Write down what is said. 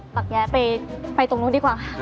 พากแยะไปตรงนู้นดีกว่า